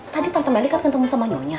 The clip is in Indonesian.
tadi tante bali kan ketemu sama nyonya